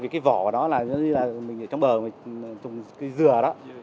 cái vỏ của nó nó như là ở trong bờ tùng cái dừa đó